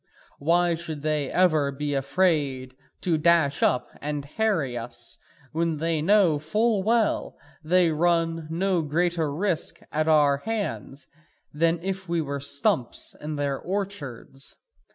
Why should they ever be afraid to dash up and harry us, when they know full well that they run no greater risk at our hands than if we were stumps in their orchards?